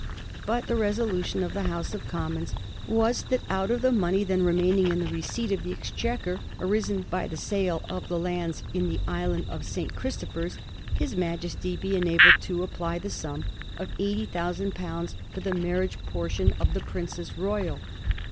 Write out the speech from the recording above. But the resolution of the House of Commons was that out of the money then remaining in the receipt of the Exchequer arisen by the sale of the lands in the island of St. Christopher's his Majesty be enabled to apply the sum of £80,000 for the marriage portion of the Princess Royal.